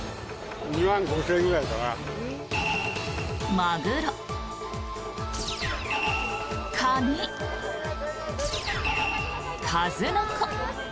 マグロ、カニ、数の子。